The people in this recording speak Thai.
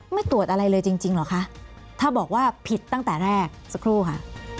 ไม่ตรวจอะไรเลยจริงเหรอคะถ้าบอกว่าผิดตั้งแต่แรกสักครู่ค่ะ